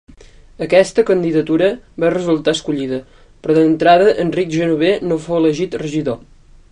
Aquesta candidatura va resultar escollida, però d'entrada Enric Genover no fou elegit regidor.